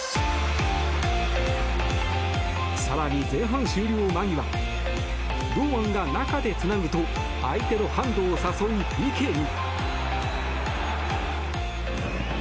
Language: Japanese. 更に前半終了間際堂安が中でつなぐと相手のハンドを誘い、ＰＫに。